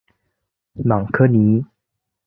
朗科尼。